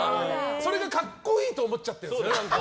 それが格好いいと思っちゃってるんですよね。